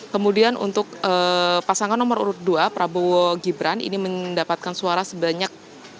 kemudian untuk pasangan nomor urut dua prabowo gibran ini mendapatkan suara sebanyak sembilan puluh enam dua ratus empat belas